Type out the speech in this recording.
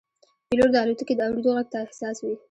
پیلوټ د الوتکې د اورېدو غږ ته حساس وي.